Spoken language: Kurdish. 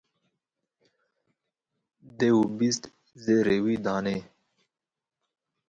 Dêw bîst zêrê wî danê.